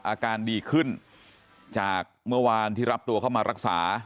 อาการดีขึ้นจากเมื่อวานที่รับตัวเข้ามารักษา